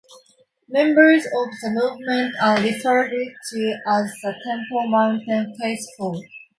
Members of the movement are referred to as the Temple Mount Faithful.